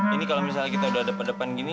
ini kalau misalnya kita udah ada pada depan gini